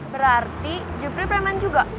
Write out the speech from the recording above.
berarti jupri preman juga